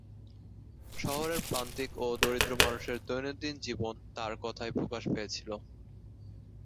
শহরের প্রান্তিক ও দরিদ্র মানুষের দৈনন্দিন জীবন তাঁর কবিতায় প্রকাশ পেয়েছিল।